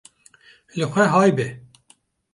li xwe hay be